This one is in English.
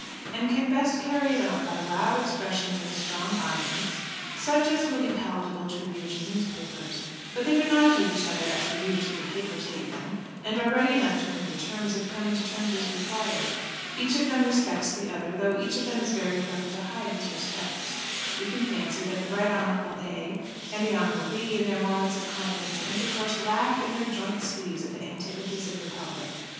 and can best carry it on by loud expressions and strong arguments such as will be palatable to readers of newspapers; but they do not hate each other as the readers of the papers hate them, and are ready enough to come to terms, if coming to terms is required. Each of them respects the other, though each of them is very careful to hide his respect. We can fancy that the Right Honourable A. and the Honourable B. in their moments of confidential intercourse laugh in their joint sleeves at the antipathies of the public.